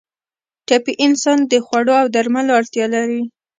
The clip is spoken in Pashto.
ټپي انسان د خوړو او درملو اړتیا لري.